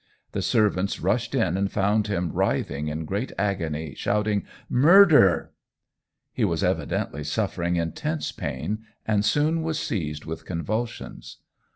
The servants rushed in and found him writhing in great agony, shouting "Murder!" He was evidently suffering intense pain, and soon was seized with convulsions.